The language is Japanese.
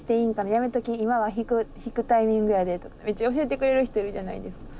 「やめとき今は引くタイミングやで」とかめっちゃ教えてくれる人いるじゃないですか。